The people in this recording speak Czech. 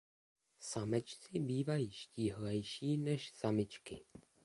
Samečci bývají štíhlejší než samičky.